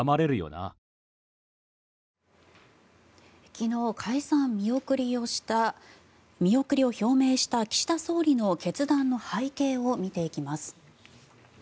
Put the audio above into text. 昨日、解散見送りを表明した岸田総理の決断の背景を見ていきます。